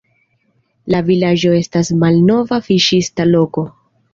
La vilaĝo estas malnova fiŝista loko.